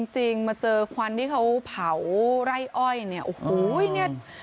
จริงมาเจอควันที่เขาเผาไร่อ้อยเนี่ยโอ้โหเนี่ย